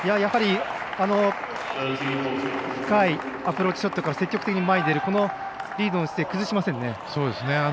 深いアプローチショットから積極的に前に出るこのリードの姿勢崩しませんね。